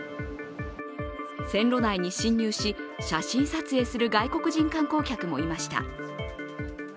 線路内に侵入し、写真撮影する外国人観光客もいました。